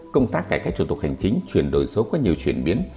công tác cải cách thủ tục hành chính chuyển đổi số có nhiều chuyển biến